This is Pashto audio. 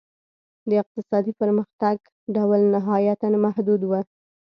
د اقتصادي پرمختګ ډول نهایتاً محدود و.